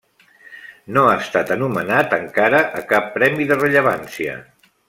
No ha estat anomenat encara a cap premi de rellevància.